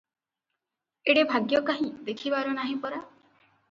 ଏଡ଼େ ଭାଗ୍ୟ କାହିଁ ଦେଖିବାର ନାହିଁ ପରା!